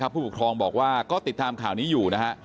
ผู้ปกครองบอกว่าก็ติดตามข่าวนี้อยู่นะฮะ